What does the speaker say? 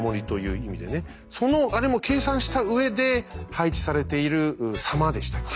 そのあれも計算したうえで配置されている狭間でしたっけ？